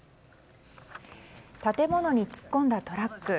建物に突っ込んだトラック。